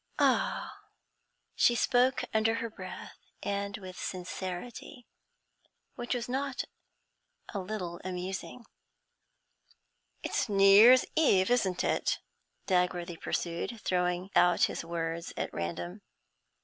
Ah!' She spoke under her breath, and with sincerity which was not a little amusing. 'It's New Year's Eve, isn't it?' Dagworthy pursued, throwing out his words at random.